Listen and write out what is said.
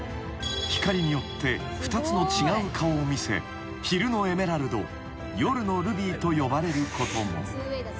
［光によって２つの違う顔を見せ昼のエメラルド夜のルビーと呼ばれることも］